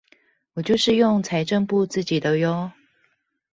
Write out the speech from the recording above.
我就是用財政部自己的唷